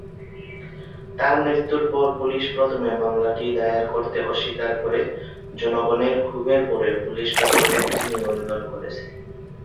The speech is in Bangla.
তার মৃত্যুর পর পুলিশ প্রথমে মামলাটি দায়ের করতে অস্বীকার করে; জনগণের ক্ষোভের পরে পুলিশ কেবল এটি নিবন্ধন করেছে।